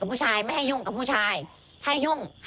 แม่คนที่ตายก็ไม่มีใครเชื่อหรอก